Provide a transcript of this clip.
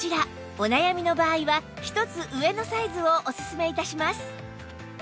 お悩みの場合は一つ上のサイズをおすすめ致します